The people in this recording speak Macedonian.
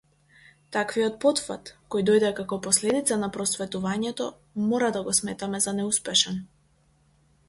Таквиот потфат, кој дојде како последица на просветувањето, мора да го сметаме за неуспешен.